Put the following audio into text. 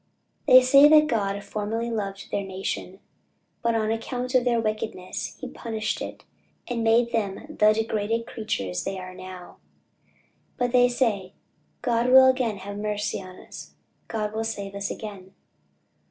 They say that God formerly loved their nation, but on account of their wickedness he punished it, and made them the degraded creatures they now are. But they say "God will again have mercy upon us, God will save us again."